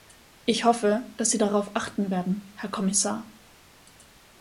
Ich hoffe, dass Sie darauf achten werden, Herr Kommissar.